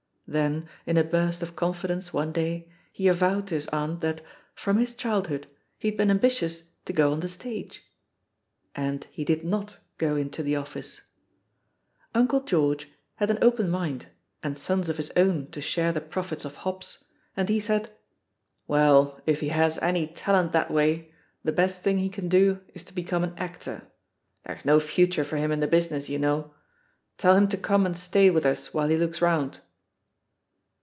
Then, in a burst of confidence one day, he avowed to his aimt that, from his childhood, he had been ambitious to go on the stage. And he did not go into the office. "Uncle George" had an open mind, and sons of his own to share the profits of hops, and he said, "Well, if he has any talent that way, the best thing he 1 2 THE POSITION OF PEGGY HARPER can do is to become an actor — ^there's no future for him in the business, you know. Tell him to come and stay with us while he looks round."